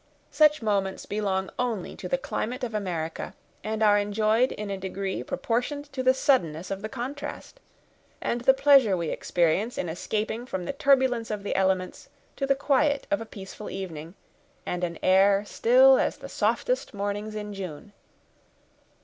Such moments belong only to the climate of America, and are enjoyed in a degree proportioned to the suddenness of the contrast, and the pleasure we experience in escaping from the turbulence of the elements to the quiet of a peaceful evening, and an air still as the softest mornings in June.